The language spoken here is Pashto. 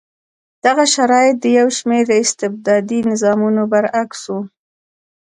دغه شرایط د یو شمېر استبدادي نظامونو برعکس و.